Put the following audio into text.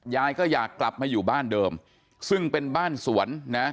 ยายก็อยากกลับมาอยู่บ้านเดิมซึ่งเป็นบ้านสวนนะ